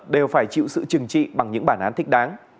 đều phải chịu sự trừng trị bằng những bản án thích đáng